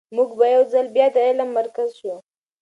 موږ به یو ځل بیا د علم مرکز شو.